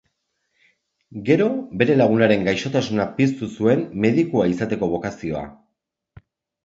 Gero bere lagunaren gaixotasuna piztu zuen medikua izateko bokazioa.